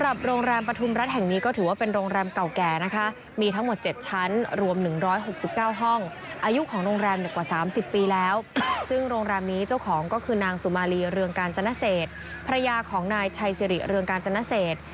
เรืองกาญจนเศษพระยาของนายชัยสิริเรืองกาญจนเศษ